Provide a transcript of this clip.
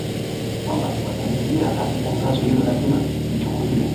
kwamba wataingilia kati Tangazo hilo lazima lichukuliwe